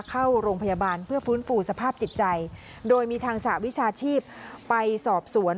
เข้าโรงพยาบาลเพื่อฟื้นฟูสภาพจิตใจโดยมีทางสหวิชาชีพไปสอบสวน